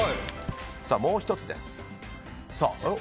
もう１つです。